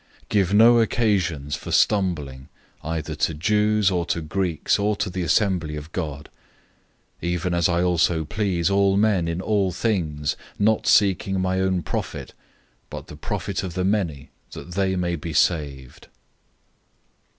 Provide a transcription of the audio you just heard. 010:032 Give no occasions for stumbling, either to Jews, or to Greeks, or to the assembly of God; 010:033 even as I also please all men in all things, not seeking my own profit, but the profit of the many, that they may be saved.